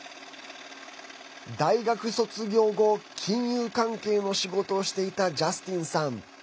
大学卒業後金融関係の仕事をしていたジャスティンさん。